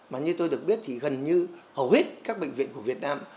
mà như tôi được biết thì gần như hầu hết các bệnh viện của việt nam